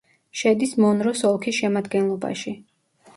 შედის მონროს ოლქის შემადგენლობაში.